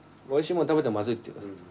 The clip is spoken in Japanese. おいしいもん食べてもまずいっていうかさ。